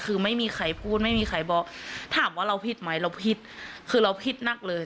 คือไม่มีใครพูดไม่มีใครบอกถามว่าเราผิดไหมเราผิดคือเราผิดหนักเลย